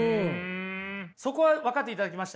そこは分かっていただけました？